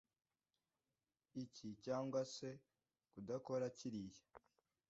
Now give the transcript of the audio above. iki cyangwa se kudakora kiriya